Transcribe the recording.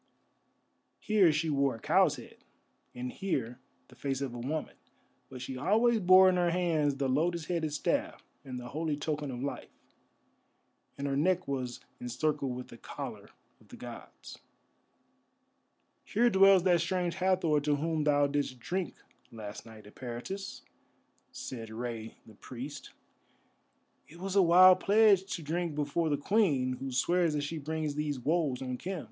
Here she wore a cow's head, and here the face of a woman, but she always bore in her hands the lotus headed staff and the holy token of life, and her neck was encircled with the collar of the gods. "Here dwells that Strange Hathor to whom thou didst drink last night, Eperitus," said Rei the Priest. "It was a wild pledge to drink before the Queen, who swears that she brings these woes on Khem.